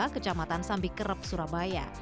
kecamatan sambikerep surabaya